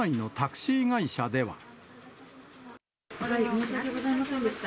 申し訳ございませんでした。